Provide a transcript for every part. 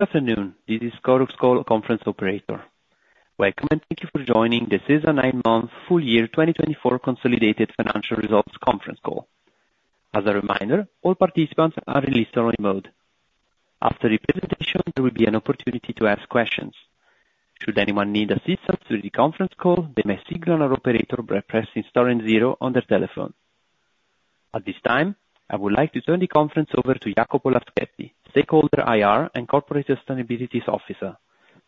Good afternoon, this is Chorus Call Conference Operator. Welcome and thank you for joining the Sesa nine-month, full-year 2024 Consolidated Financial Results Conference Call. As a reminder, all participants are in listener mode. After the presentation, there will be an opportunity to ask questions. Should anyone need assistance through the conference call, they may signal our operator by pressing Star and Zero on their telephone. At this time, I would like to turn the conference over to Jacopo Laschetti, Stakeholder IR and Corporate Sustainability Officer.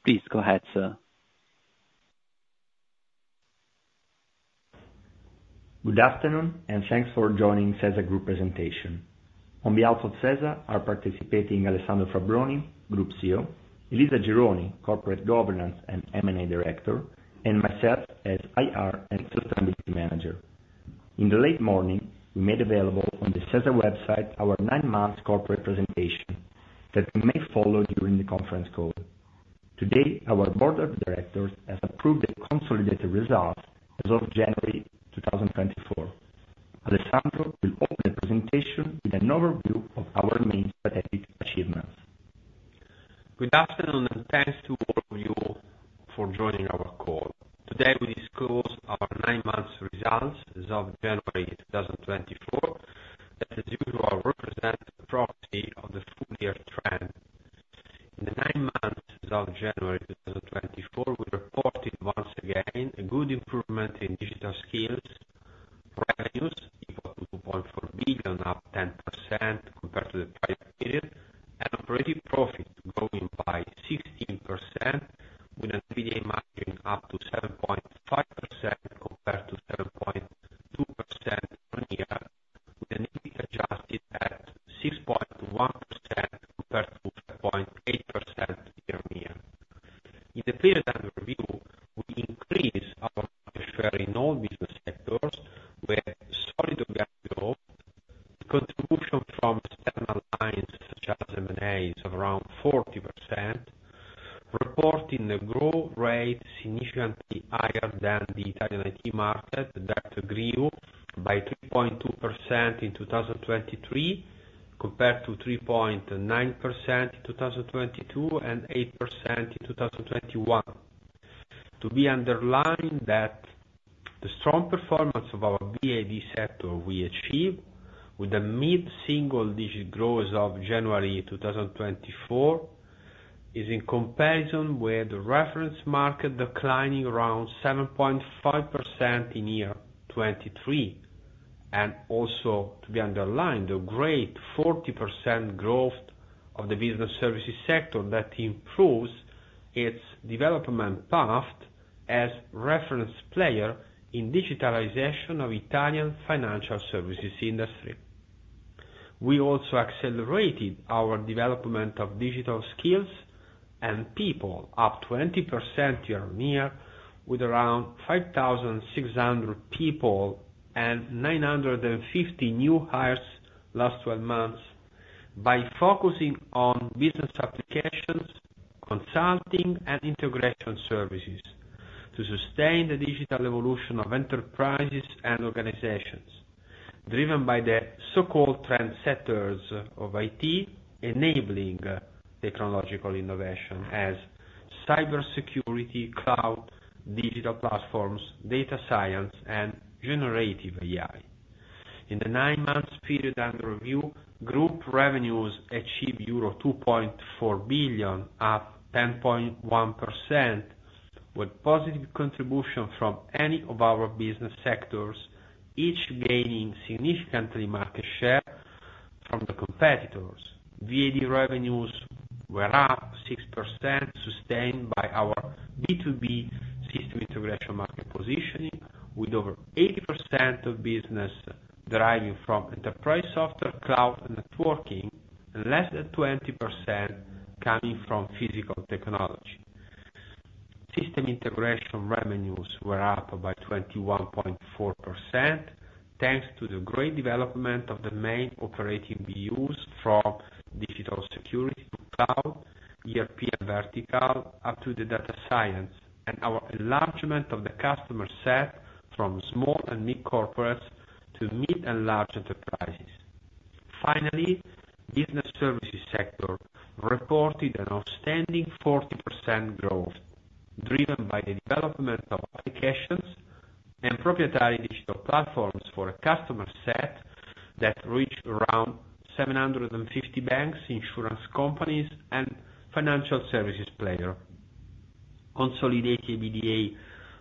Please go ahead, sir. Good afternoon, and thanks for joining Sesa Group presentation. On behalf of Sesa, are participating Alessandro Fabbroni, Group CEO, Elisa Gironi, Corporate Governance and M&A Director, and myself as IR and Sustainability Manager. In the late morning, we made available on the Sesa website our 9-month corporate presentation that you may follow during the conference call. Today, our Board of Directors has approved the Consolidated Results as of January 2024. Alessandro will open the presentation with an overview of our main strategic achievements. Good afternoon and thanks to all with a mid-single-digit growth as of January 2024 is in comparison with the reference market declining around 7.5% in 2023. Also, to be underlined, a great 40% growth of the Business Services sector that improves its development path as a reference player in digitalization of the Italian financial services industry. We also accelerated our development of digital skills and people up 20% year-on-year with around 5,600 people and 950 new hires last 12 months by focusing on business applications, consulting, and integration services to sustain the digital evolution of enterprises and organizations, driven by the so-called trendsetters of IT enabling technological innovation as cybersecurity, cloud, digital platforms, data science, and generative AI. In the 9-month period under review, group revenues achieved euro 2.4 billion, up 10.1%, with positive contribution from any of our business sectors, each gaining significantly market share from the competitors. VAD revenues were up 6%, sustained by our B2B system integration market positioning, with over 80% of business driving from enterprise software, cloud, and networking, and less than 20% coming from physical technology. System integration revenues were up by 21.4% thanks to the great development of the main operating BUs from digital security to cloud, ERP and vertical, up to the data science, and our enlargement of the customer set from small and mid-corporates to mid and large enterprises. Finally, the business services sector reported an outstanding 40% growth driven by the development of applications and proprietary digital platforms for a customer set that reached around 750 banks, insurance companies, and financial services players. Consolidated EBITDA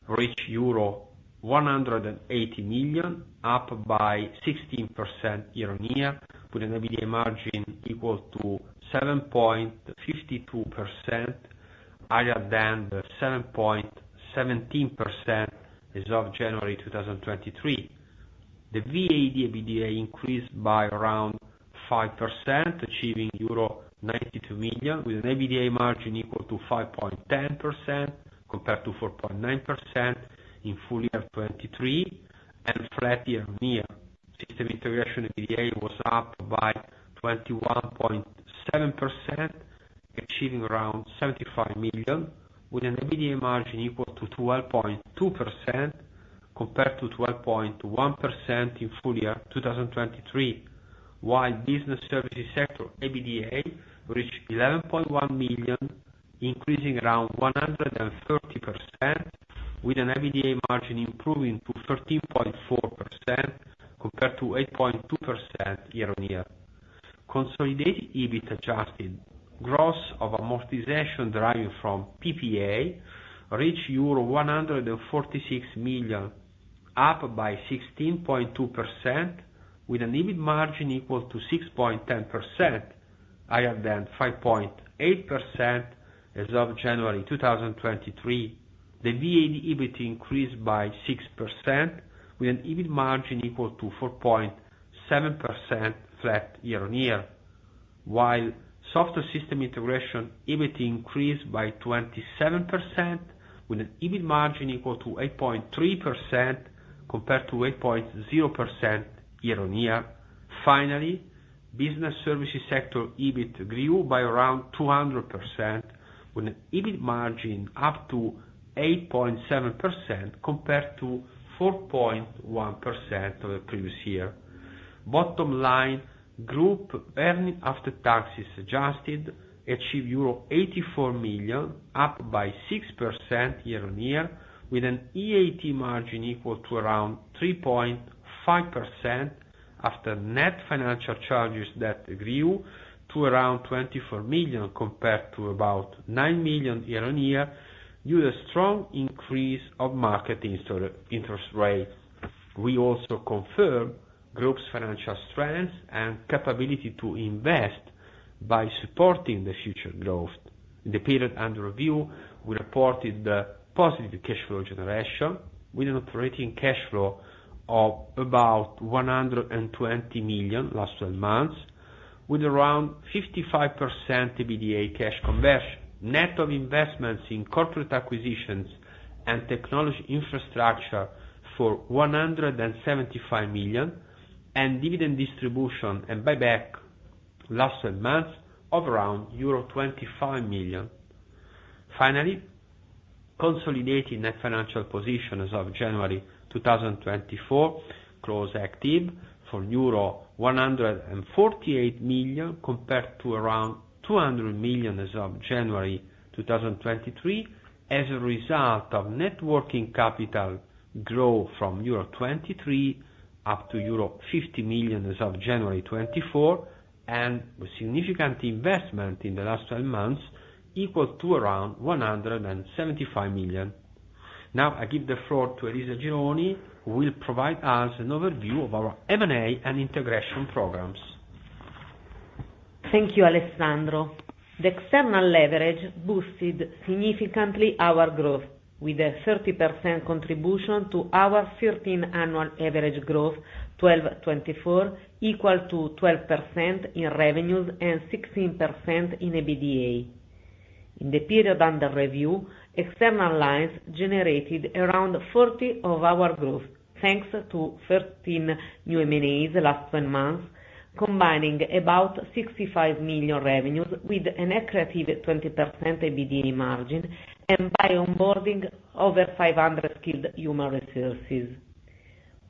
reached euro 180 million, up by 16% year-on-year, with an EBITDA margin equal to 7.52% higher than the 7.17% as of January 2023. The VAD EBITDA increased by around 5%, achieving euro 92 million, with an EBITDA margin equal to 5.10% compared to 4.9% in full year 2023 and flat year-on-year. System integration EBITDA was up by 21.7%, achieving around 75 million, with an EBITDA margin equal to 12.2% compared to 12.1% in full year 2023, while the business services sector EBITDA reached 11.1 million, increasing around 130%, with an EBITDA margin improving to 13.4% compared to 8.2% year-on-year. Consolidated EBIT adjusted gross of amortization driving from PPA reached euro 146 million, up by 16.2%, with an EBIT margin equal to 6.10% higher than 5.8% as of January 2023. The VAD EBIT increased by 6%, with an EBIT margin equal to 4.7% flat year-on-year, while software system integration EBIT increased by 27%, with an EBIT margin equal to 8.3% compared to 8.0% year-on-year. Finally, the business services sector EBIT grew by around 200%, with an EBIT margin up to 8.7% compared to 4.1% of the previous year. Bottom line, group earnings after taxes adjusted achieved euro 84 million, up by 6% year-on-year, with an EAT margin equal to around 3.5% after net financial charges that grew to around 24 million compared to about 9 million year-on-year due to the strong increase of market interest rates. We also confirmed group's financial strength and capability to invest by supporting the future growth. In the period under review, we reported positive cash flow generation with an operating cash flow of about 120 million last 12 months, with around 55% EBITDA cash conversion, net of investments in corporate acquisitions and technology infrastructure for 175 million, and dividend distribution and buyback last 12 months of around euro 25 million. Finally, consolidated net financial position as of January 2024 closed active for euro 148 million compared to around 200 million as of January 2023 as a result of net working capital growth from euro 23 million up to euro 50 million as of January 2024 and with significant investment in the last 12 months equal to around 175 million. Now, I give the floor to Elisa Gironi, who will provide us an overview of our M&A and integration programs. Thank you, Alessandro. The external leverage boosted significantly our growth with a 30% contribution to our 13% annual average growth 2012/2024 equal to 12% in revenues and 16% in EBITDA. In the period under review, external lines generated around 40% of our growth thanks to 13 new M&As last 12 months, combining about 65 million revenues with an accretive 20% EBITDA margin and by onboarding over 500 skilled human resources.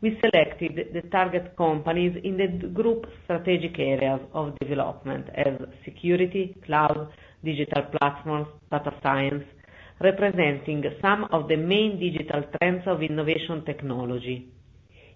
We selected the target companies in the group's strategic areas of development as security, cloud, digital platforms, data science, representing some of the main digital trends of innovation technology.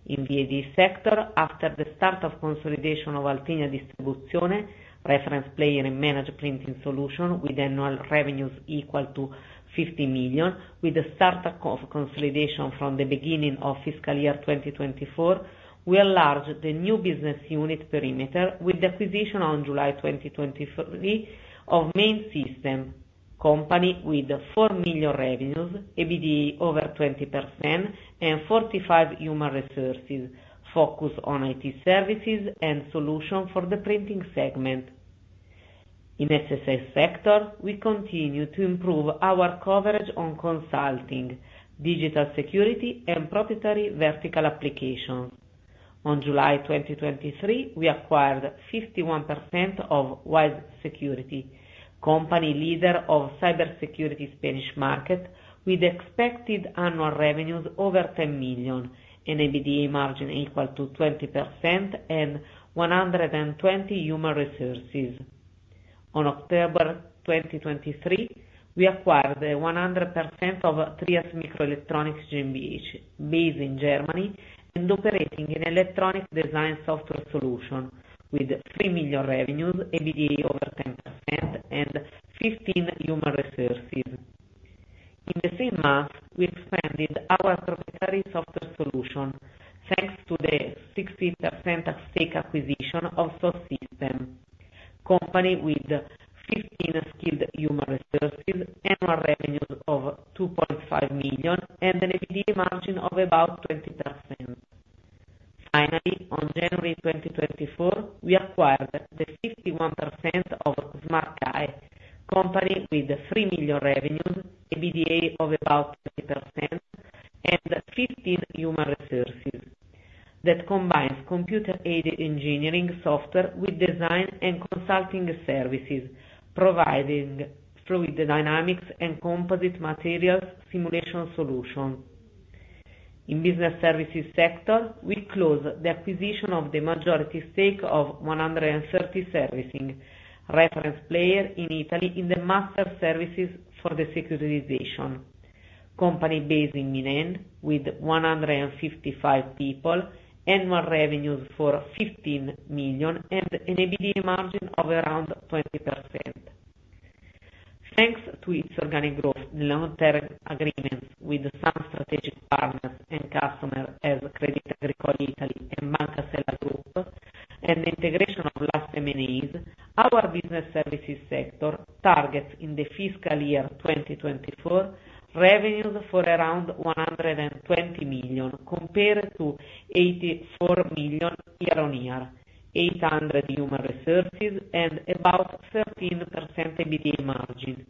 In the VAD sector, after the start of consolidation of Altinia Distribuzione, reference player in managed printing solution with annual revenues equal to 50 million, with the start of consolidation from the beginning of fiscal year 2024, we enlarged the new business unit perimeter with the acquisition on July 2023 of Maint System, company with 4 million revenues, EBITDA over 20%, and 45 human resources focused on IT services and solutions for the printing segment. In the Sesa sector, we continue to improve our coverage on consulting, digital security, and proprietary vertical applications. On July 2023, we acquired 51% of Wise Security Global, company leader of cybersecurity Spanish market with expected annual revenues over 10 million and an EBITDA margin equal to 20% and 120 human resources. In October 2023, we acquired 100% of TRIAS Mikroelektronik GmbH, based in Germany and operating in electronic design software solution with 3 million revenues, EBITDA over 10%, and 15 human resources. In the same month, we expanded our proprietary software solution thanks to the 60% stake acquisition of Soft System, company with 15 skilled human resources, annual revenues of 2.5 million, and an EBITDA margin of about 20%. Finally, on January 2024, we acquired 51% of SmartCAE, company with 3 million revenues, EBITDA of about 20%, and 15 human resources that combines computer-aided engineering software with design and consulting services, providing fluid dynamics and composite materials simulation solutions. In the Business Services sector, we closed the acquisition of the majority stake of 130 Servicing reference player in Italy in the master servicing for the securitization, company based in Milan with 155 people, annual revenues of 15 million, and an EBITDA margin of around 20%. Thanks to its organic growth, long-term agreements with some strategic partners and customers as Crédit Agricole Italia and Banca Sella Group, and the integration of last M&As, our Business Services sector targets in the fiscal year 2024 revenues for around 120 million compared to 84 million year-on-year, 800 human resources, and about 13% EBITDA margin.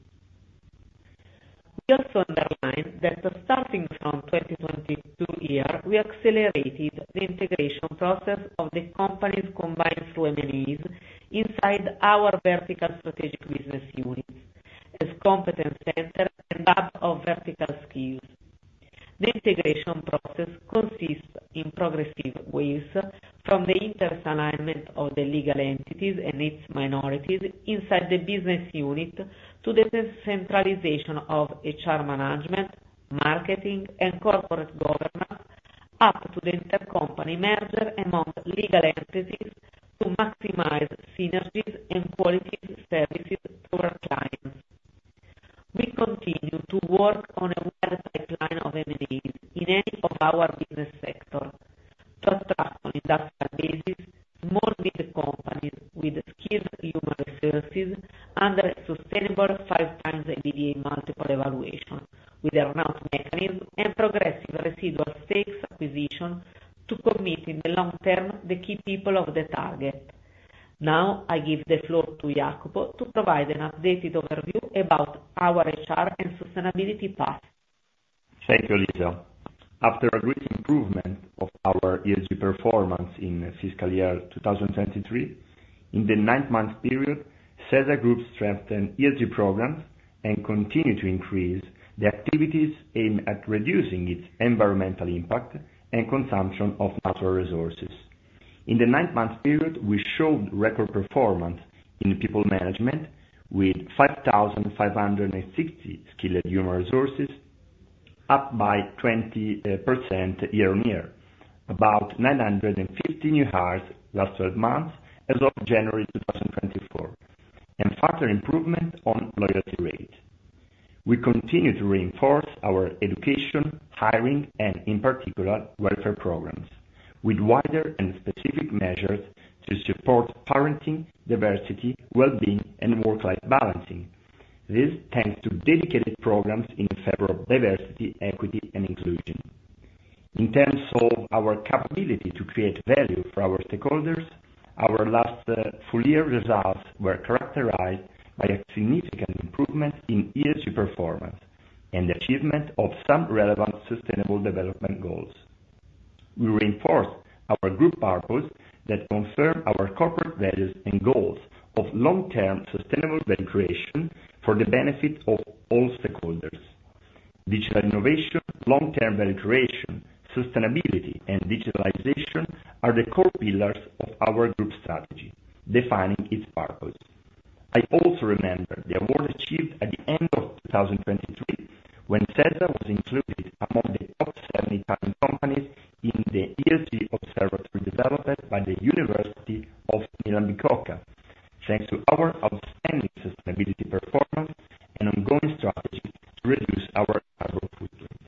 We also underline that starting from 2022, we accelerated the integration process of the companies combined through M&As inside our vertical strategic business units as competence centers and hubs of vertical skills. The integration process consists in progressive waves from the interest alignment of the legal entities and its minorities inside the business unit to the centralization of HR management, marketing, and corporate governance, up to the intercompany merger among legal entities to maximize synergies and quality services to our clients. We continue to work on a wide pipeline of M&As in any of our business sectors to attract on industrial basis small mid companies with skilled human resources under sustainable 5x EBITDA multiple evaluation with a remote mechanism and progressive residual stakes acquisition to commit in the long term the key people of the target. Now, I give the floor to Jacopo to provide an updated overview about our HR and sustainability path. Thank you, Elisa. After a great improvement of our ESG performance in fiscal year 2023, in the nine-month period, Sesa Group strengthened ESG programs and continued to increase the activities aimed at reducing its environmental impact and consumption of natural resources. In the nine-month period, we showed record performance in people management with 5,560 skilled human resources, up by 20% year-on-year, about 950 new hires last 12 months as of January 2024, and further improvement on loyalty rates. We continue to reinforce our education, hiring, and in particular, welfare programs with wider and specific measures to support parenting, diversity, well-being, and work-life balancing. This is thanks to dedicated programs in favor of diversity, equity, and inclusion. In terms of our capability to create value for our stakeholders, our last full year results were characterized by a significant improvement in ESG performance and the achievement of some relevant sustainable development goals. We reinforced our group purpose that confirmed our corporate values and goals of long-term sustainable value creation for the benefit of all stakeholders. Digital innovation, long-term value creation, sustainability, and digitalization are the core pillars of our group strategy, defining its purpose. I also remember the award achieved at the end of 2023 when Sesa was included among the top 70 talent companies in the ESG observatory developed by the University of Milan-Bicocca thanks to our outstanding sustainability performance and ongoing strategies to reduce our carbon footprint.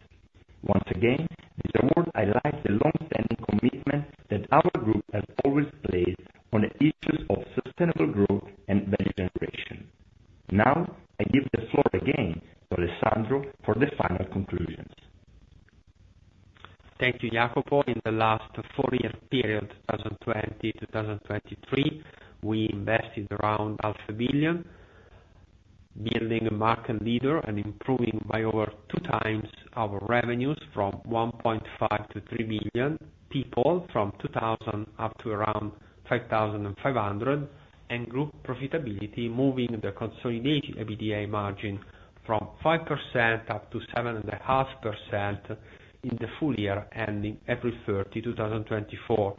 Once again, this award highlights the long-standing commitment that our group has always placed on the issues of sustainable growth and value generation. Now, I give the floor again to Alessandro for the final conclusions. Thank you, Jacopo. In the last full year period 2020-2023, we invested around 500 million, building a market leader and improving by over two times our revenues from 1.5 billion to 3 billion, people from 2,000 up to around 5,500, and group profitability moving the consolidated EBITDA margin from 5% up to 7.5% in the full year ending April 30, 2024.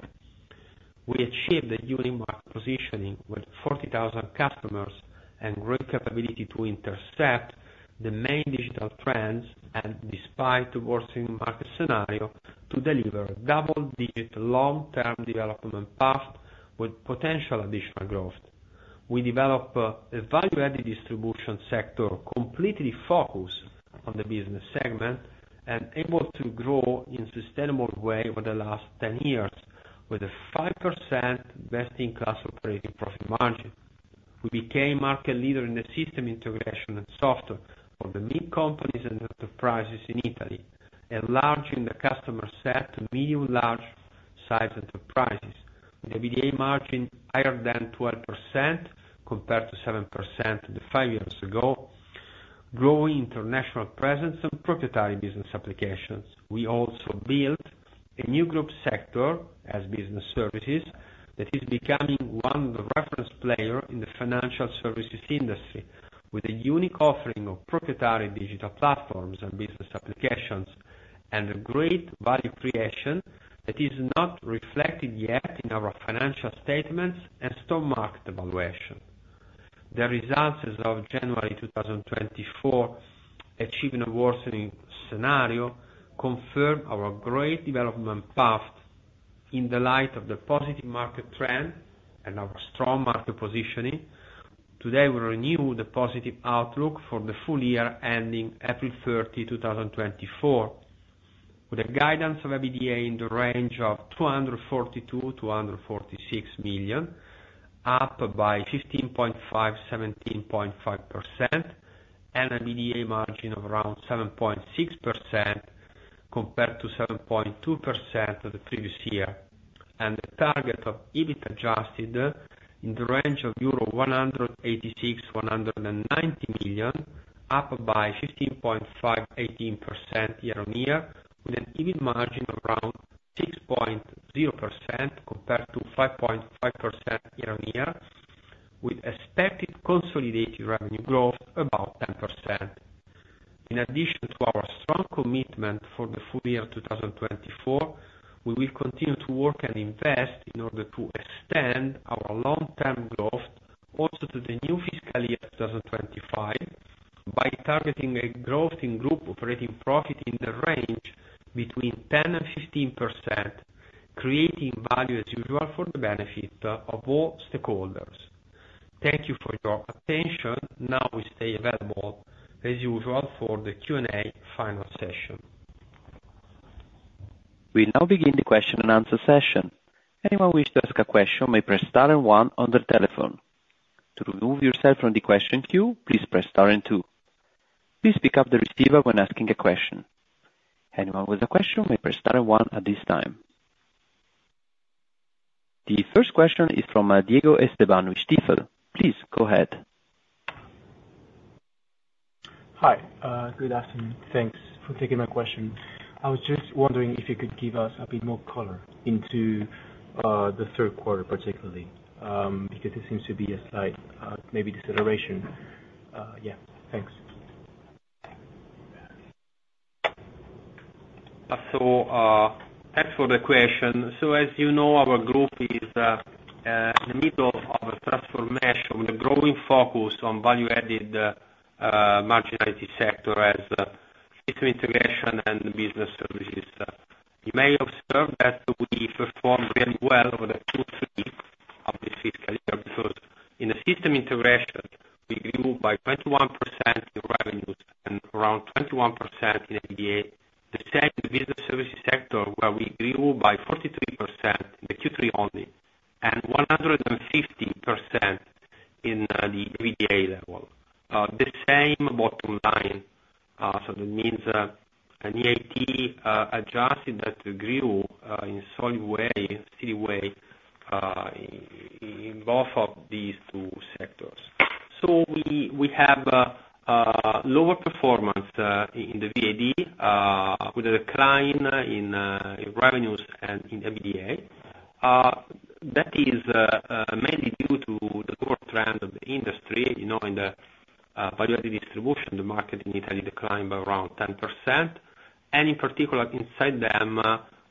We achieved a unique market positioning with 40,000 customers and great capability to intercept the main digital trends and, despite a worsening market scenario, to deliver a double-digit long-term development path with potential additional growth. We developed a value-added distribution sector completely focused on the business segment and able to grow in a sustainable way over the last 10 years with a 5% best-in-class operating profit margin. We became market leaders in the system integration and software for the mid-companies and enterprises in Italy, enlarging the customer set to medium-large size enterprises with an EBITDA margin higher than 12% compared to 7% five years ago, growing international presence and proprietary business applications. We also built a new group sector as business services that is becoming one of the reference players in the financial services industry with a unique offering of proprietary digital platforms and business applications and a great value creation that is not reflected yet in our financial statements and stock market evaluation. The results of January 2024 achieving a worsening scenario confirm our great development path in the light of the positive market trend and our strong market positioning. Today, we renew the positive outlook for the full year ending April 30, 2024, with the guidance of EBITDA in the range of 242 million-246 million, up by 15.5%-17.5%, and an EBITDA margin of around 7.6% compared to 7.2% of the previous year, and the target of EBIT adjusted in the range of euro 186-190 million, up by 15.5%-18% year-on-year, with an EBIT margin of around 6.0% compared to 5.5% year-on-year, with expected consolidated revenue growth about 10%. In addition to our strong commitment for the full year 2024, we will continue to work and invest in order to extend our long-term growth also to the new fiscal year 2025 by targeting a growth in group operating profit in the range between 10%-15%, creating value as usual for the benefit of all stakeholders. Thank you for your attention. Now, we stay available as usual for the Q&A final session. We now begin the question and answer session. Anyone who wishes to ask a question may press star and one on the telephone. To remove yourself from the question queue, please press star and two. Please pick up the receiver when asking a question. Anyone with a question may press star and one at this time. The first question is from Diego Esteban with Stifel. Please go ahead. Hi. Good afternoon. Thanks for taking my question. I was just wondering if you could give us a bit more color into the third quarter, particularly, because it seems to be a slight maybe deceleration. Yeah. Thanks. So thanks for the question. So as you know, our group is in the middle of a transformation with a growing focus on value-added marginality sector as system integration and business services. You may observe that we performed really well over the Q3 of this fiscal year because in the system integration, we grew by 21% in revenues and around 21% in EBITDA, the same in the business services sector where we grew by 43% in the Q3 only and 150% in the EBITDA level. The same bottom line. So that means an EBIT adjusted that grew in a solid way, steady way, in both of these two sectors. So we have lower performance in the VAD with a decline in revenues and in EBITDA. That is mainly due to the lower trend of the industry in the value-added distribution. The market in Italy declined by around 10%, and in particular, inside them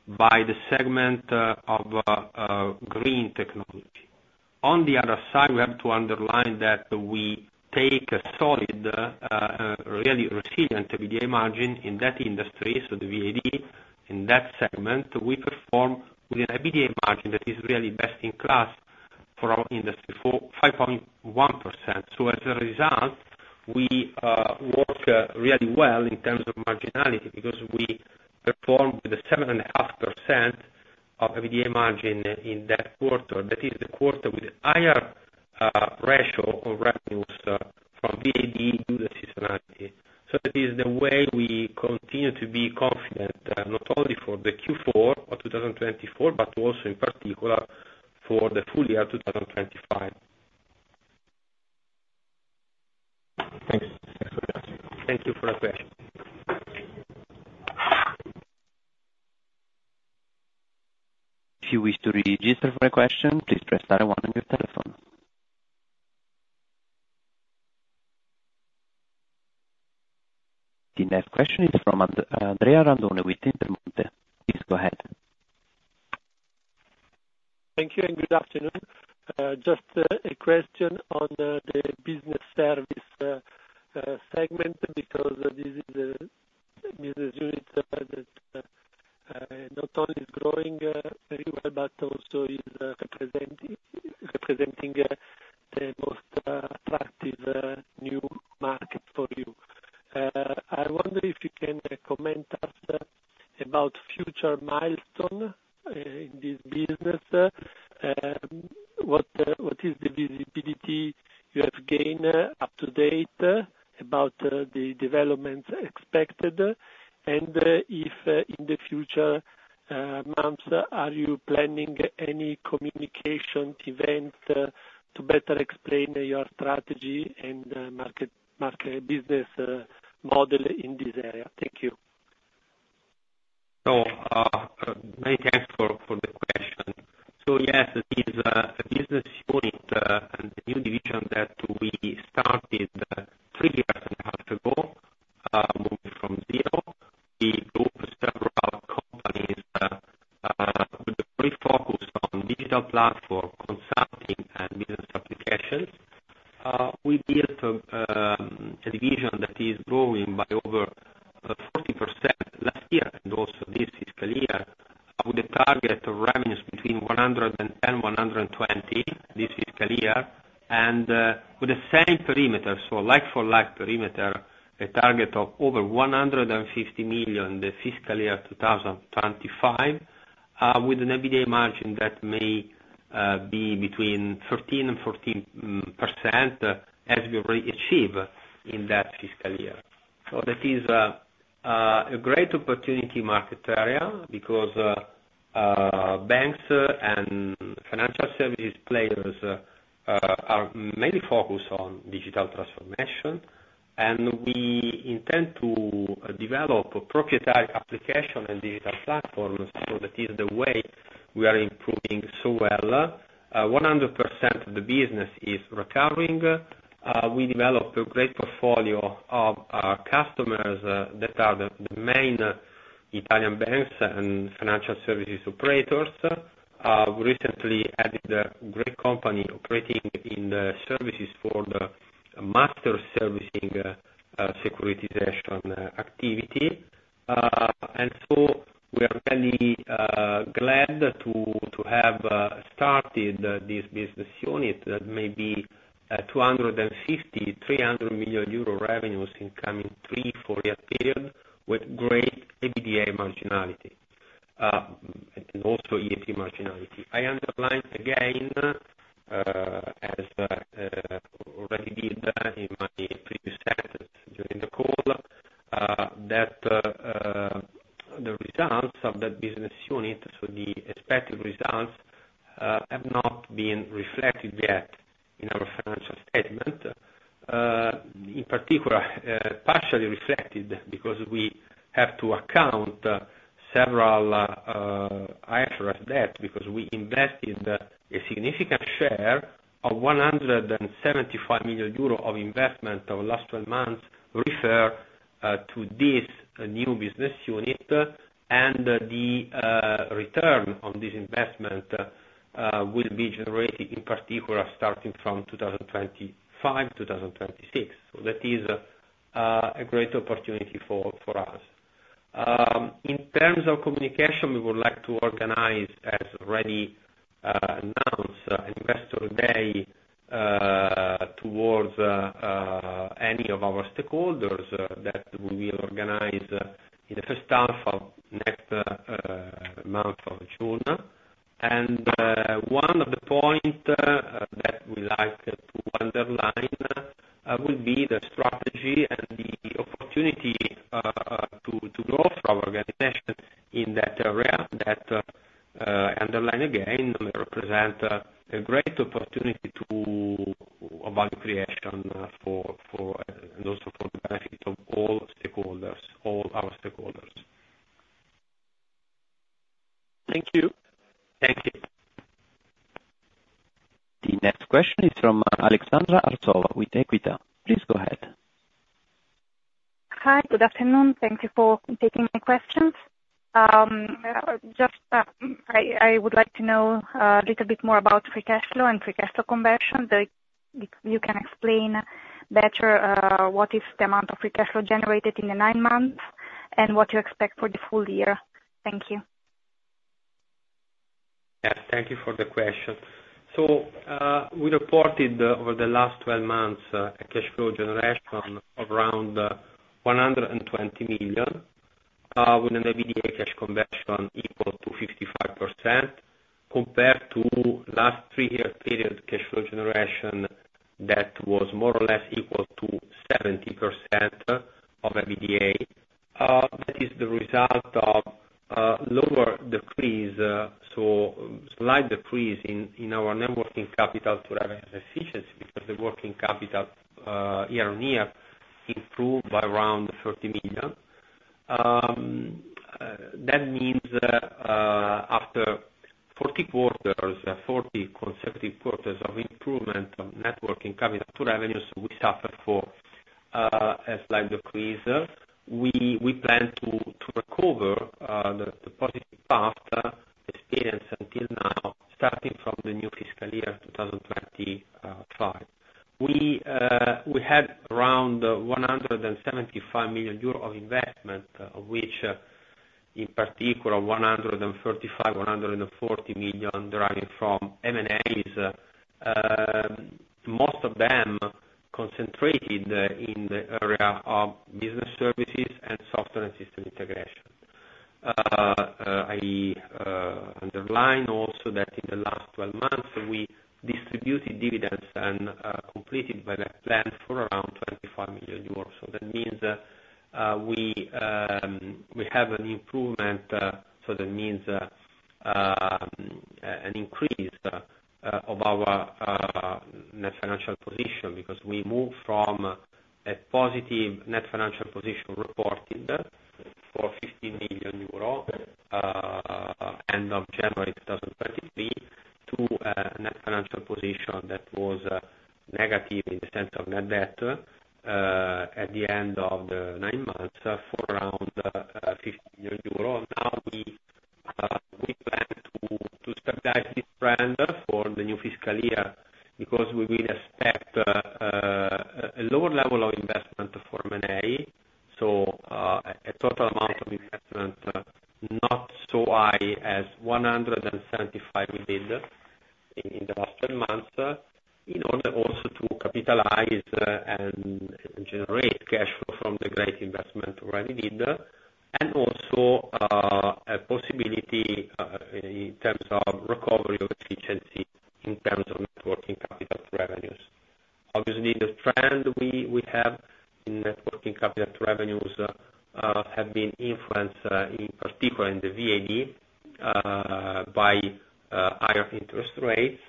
by the segment of green technology. On the other side, we have to underline that we take a solid, really resilient EBITDA margin in that industry, so the VAD, in that segment, we perform with an EBITDA margin that is really best-in-class for our industry for 5.1%. So as a result, we work really well in terms of marginality because we perform with a 7.5% of EBITDA margin in that quarter. That is the quarter with a higher ratio of revenues from VAD due to seasonality. So that is the way we continue to be confident not only for the Q4 of 2024 but also in particular for the full year 2025. Thanks. Thanks for the answer. Thank you for the question. If you wish to register for a question, please press star and one on your telephone. The next question is from Andrea Randone with Intermonte. Please go ahead. Thank you and good afternoon. Just a question on the Business Services segment because this is a business unit that not only is growing very well but also is representing the most attractive new market for you. I wonder if you can comment about future milestones in this business, what is the visibility you have gained up to date about the developments expected, and if in the future months are you planning any communication event to better explain your strategy and market business model in this area? Thank you. So many thanks for the question. So yes, this is a business unit and a new division that we started three and a half years ago moving from zero. We grew several companies with a great focus on digital platform consulting and business applications. We built a division that is growing by over 40% last year and also this fiscal year with a target of revenues between EUR 110 million and EUR 120 million this fiscal year and with the same perimeter, so like-for-like perimeter, a target of over EUR 150 million the fiscal year 2025 with an EBITDA margin that may be between 13%-14% as we already achieve in that fiscal year. So that is a great opportunity market area because banks and financial services players are mainly focused on digital transformation, and we intend to develop proprietary application and digital platforms. So that is the way we are improving so well. 100% of the business is recovering. We developed a great portfolio of customers that are the main Italian banks and financial services operators. We recently added a great company operating in the services for the master servicing securitization activity. We are really glad to have started this business unit that may be 250 million-300 million euro revenues in the coming 3 to 4-year period with great EBITDA marginality and also EBIT marginality. I underline again, as I already did in my previous sentence during the call, that the results of that business unit, so the expected results, have not been reflected yet in our financial statement. In particular, partially reflected because we have to account several IFRS debts because we invested a significant share of 175 million euro of investment over the last 12 months refer to this new business unit, and the return on this investment will be generated in particular starting from 2025, 2026. So that is a great opportunity for us. In terms of communication, we would like to organize, as already announced, an investor day towards any of our stakeholders that we will organize in the first half of next month of June. And one of the points that we like to underline will be the strategy and the opportunity to grow for our organization in that area that, I underline again, represent a great opportunity of value creation and also for the benefit of all stakeholders, all our stakeholders. Thank you. Thank you. The next question is from Aleksandra Arsova with Equita. Please go ahead. Hi. Good afternoon. Thank you for taking my questions. I would like to know a little bit more about free cash flow and free cash flow conversion. You can explain better what is the amount of free cash flow generated in the nine months and what you expect for the full year. Thank you. Yeah. Thank you for the question. So we reported over the last 12 months a cash flow generation of around 120 million with an EBITDA cash conversion equal to 55% compared to last three-year period cash flow generation that was more or less equal to 70% of EBITDA. That is the result of lower decrease, so slight decrease in our net working capital to revenue efficiency because the working capital year-on-year improved by around 30 million. That means after 40 quarters, 40 consecutive quarters of improvement of net working capital to revenues, we suffered a slight decrease. We plan to recover the positive path experienced until now starting from the new fiscal year 2025. We had around 175 million euro of investment, of which in particular, 135 million-140 million deriving from M&As, most of them concentrated in the area of business services and software and system integration. I underline also that in the last 12 months, we distributed dividends and completed by that plan for around 25 million euros. So that means we have an improvement. So that means an increase of our net financial position because we moved from a positive net financial position reported for 15 million euro end of January 2023 to a net financial position that was negative in the sense of net debt at the end of the nine months for around EUR 50 million. Now, we plan to stabilize this trend for the new fiscal year because we will expect a lower level of investment for M&A, so a total amount of investment not so high as 175 million we did in the last 12 months in order also to capitalize and generate cash flow from the great investment already did and also a possibility in terms of recovery of efficiency in terms of net working capital to revenues. Obviously, the trend we have in net working capital to revenues has been influenced, in particular, in the VAD by higher interest rates,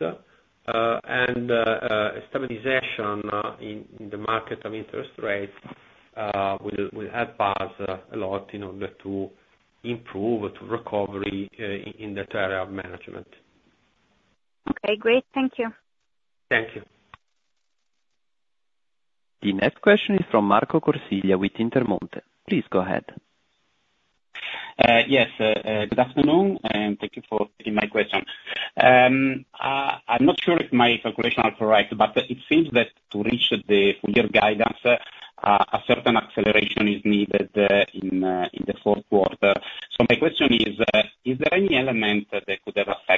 and stabilization in the market of interest rates will help us a lot in order to improve to recovery in that area of management. Okay. Great. Thank you. Thank you. The next question is from Marco Corsiglia with Intermonte. Please go ahead. Yes. Good afternoon, and thank you for taking my question. I'm not sure if my calculation is correct, but it seems that to reach the full-year guidance, a certain acceleration is needed in the fourth quarter. So my question is, is there any element that could have affected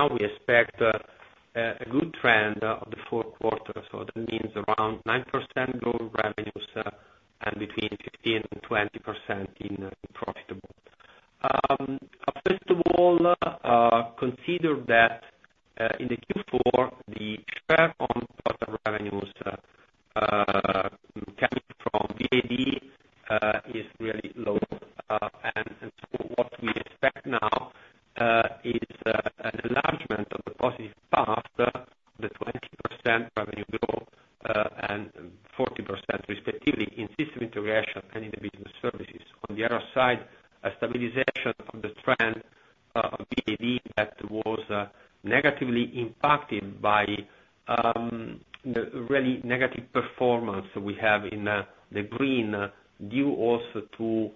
the third quarter negatively which may somewhat disappear or reduce the effect in the fourth quarter? Thanks for the question. That is really interesting for us. Yes. Now, we expect a good trend of the fourth quarter. So that means around 9% global revenues and between 15% and 20% in profitable. First of all, consider that in the Q4, the share of total revenues coming from VAD is really low. And so what we expect now is an enlargement of the positive path of the 20% revenue growth and 40%, respectively, in System Integration and in the Business Services. On the other side, a stabilization of the trend of VAD that was negatively impacted by the really negative performance we have in the green due also to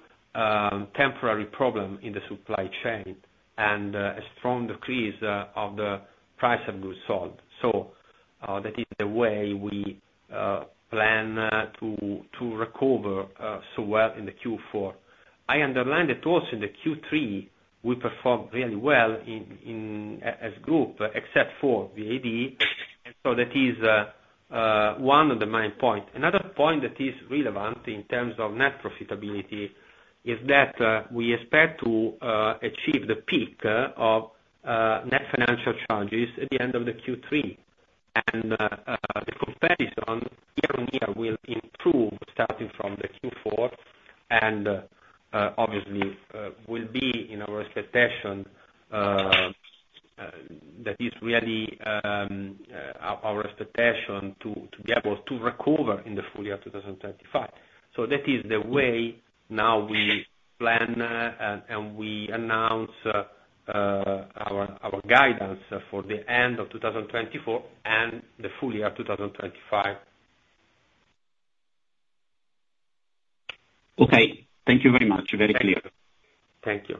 temporary problem in the supply chain and a strong decrease of the price of goods sold. So that is the way we plan to recover so well in the Q4. I underline that also in the Q3, we performed really well as a group except for VAD. And so that is one of the main points. Another point that is relevant in terms of net profitability is that we expect to achieve the peak of net financial charges at the end of the Q3. And the comparison year-on-year will improve starting from the Q4 and obviously will be in our expectation that is really our expectation to be able to recover in the full year 2025. So that is the way now we plan and we announce our guidance for the end of 2024 and the full year 2025. Okay. Thank you very much. Very clear. Thank you.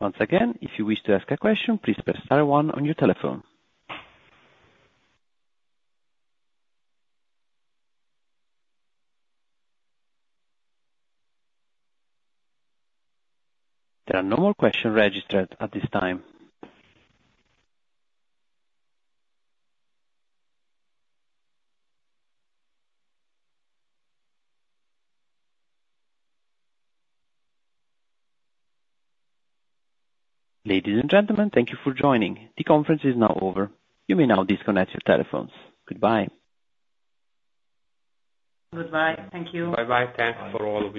Once again, if you wish to ask a question, please press star and one on your telephone. There are no more questions registered at this time. Ladies and gentlemen, thank you for joining. The conference is now over. You may now disconnect your telephones. Goodbye. Goodbye. Thank you. Bye-bye. Thanks for all.